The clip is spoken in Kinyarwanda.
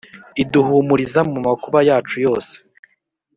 iduhumuriza mu makuba yacu yose,